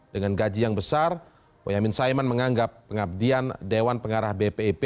dengan gaji yang besar boyamin saiman menganggap pengabdian dewan pengarah bpip